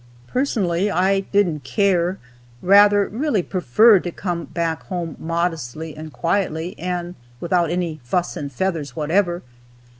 Personally I didn't care, rather really preferred to come back home modestly and quietly, and without any "fuss and feathers" whatever.